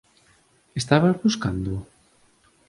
Estabas buscándoo?